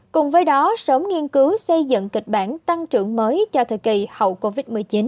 cùng với đó sớm nghiên cứu xây dựng kịch bản tăng trưởng mới cho thời kỳ hậu covid một mươi chín